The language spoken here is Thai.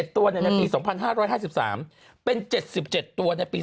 ๔๑ตัวเนี่ยปี๒๕๕๓เป็น๗๗ตัวในปี๒๕๖๒